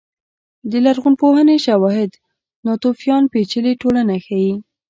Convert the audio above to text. د لرغونپوهنې شواهد ناتوفیان پېچلې ټولنه ښيي.